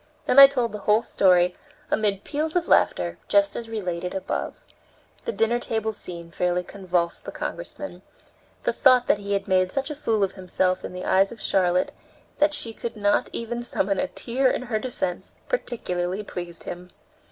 Then I told the whole story, amid peals of laughter, just as related above. The dinner table scene fairly convulsed the Congressman. The thought that he had made such a fool of himself in the eyes of Charlotte that she could not even summon a tear in her defense, particularly pleased him.